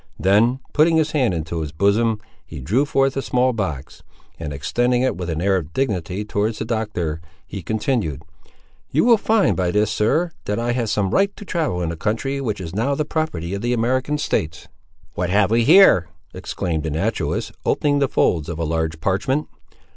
Then, putting his hand into his bosom, he drew forth a small box, and extending it with an air of dignity towards the Doctor, he continued—"You will find by this, sir, that I have some right to travel in a country which is now the property of the American States." "What have we here!" exclaimed the naturalist, opening the folds of a large parchment.